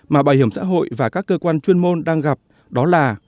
mà bảo hiểm xã hội và các cơ quan chuyên môn đang gặp đó là